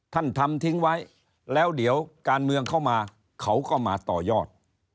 ทำทิ้งไว้แล้วเดี๋ยวการเมืองเข้ามาเขาก็มาต่อยอด